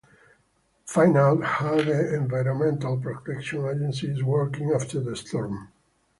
Find out how the Environmental Protection Agency is working after the storm.